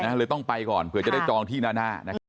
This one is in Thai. เลยต้องไปก่อนเผื่อจะได้จองที่หน้านะครับ